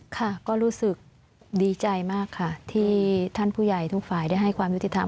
ค่ะก็รู้สึกดีใจมากค่ะที่ท่านผู้ใหญ่ทุกฝ่ายได้ให้ความยุติธรรม